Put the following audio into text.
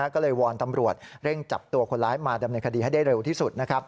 ก็เลยวอนตำรวจเร่งจับตัวคนร้ายมาดำเนินคดีให้ได้เร็วที่สุด